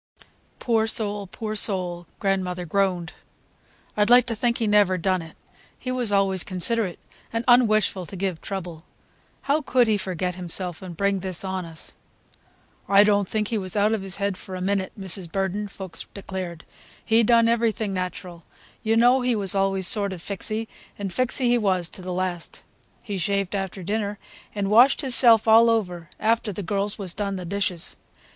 "Poor soul, poor soul!" grandmother groaned. "I'd like to think he never done it. He was always considerate and un wishful to give trouble. How could he forget himself and bring this on us!" "I don't think he was out of his head for a minute, Mrs. Burden," Fuchs declared. "He done everything natural. You know he was always sort of fixy, and fixy he was to the last. He shaved after dinner, and washed hisself all over after the girls was done the dishes.